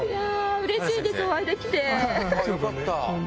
うれしいです、お会いできて。